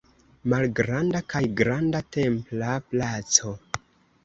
Malgranda kaj Granda templa placo.